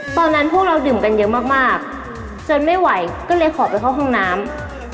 พวกเราดื่มกันเยอะมากจนไม่ไหวก็เลยขอไปเข้าห้องน้ำ